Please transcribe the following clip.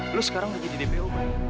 lo sekarang udah jadi dpo baik